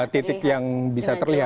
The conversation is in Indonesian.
titik yang bisa terlihat